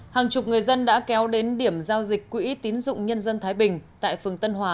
hàng chục người dân đã kéo đến điểm giao dịch quỹ tín dụng nhân dân thái bình tại phường tân hòa